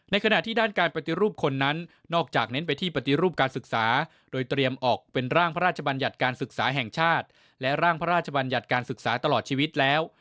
ขณะที่ด้านการปฏิรูปคนนั้นนอกจากเน้นไปที่ปฏิรูปการศึกษาโดยเตรียมออกเป็นร่างพระราชบัญญัติการศึกษาแห่งชาติและร่างพระราชบัญญัติการศึกษาตลอดชีวิตแล้ว